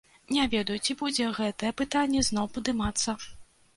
Не ведаю, ці будзе гэтае пытанне зноў падымацца.